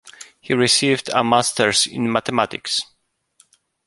He received a masters in mathematics.